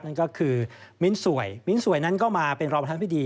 นั่นก็คือมิ้นสวยมิ้นสวยนั้นก็มาเป็นรองประธานพิธี